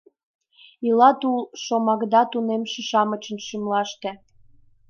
Ила тул шомакда Тунемше-шамычын шӱмлаште…